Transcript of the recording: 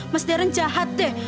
mas darren jahat deh